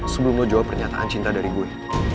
sebelum lo jawab pernyataan cinta dari gue